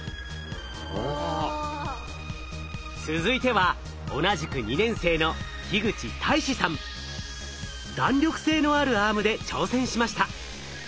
続いては同じく２年生の弾力性のあるアームで挑戦しました。